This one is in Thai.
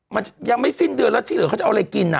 มันยังไม่สิ้นเดือนแล้วที่เหลือเขาจะเอาอะไรกิน